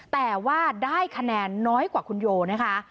แต่ว่าได้คะแนนน้อยกว่าคุณโยนะคะ